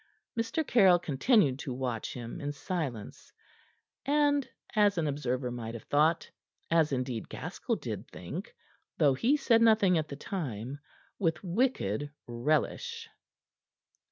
Mr. Caryll continued to watch him, in silence, and as an observer might have thought, as, indeed, Gaskell did think, though he said nothing at the time with wicked relish.